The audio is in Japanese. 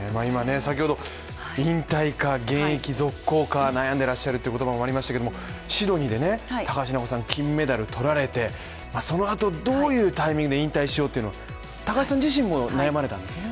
引退か、現役続行か悩んでらっしゃるという言葉がありましたけどシドニーで高橋尚子さん、金メダル取られてそのあと、どういうタイミングで引退しようというのを高橋さん自身も悩まれたんですよね。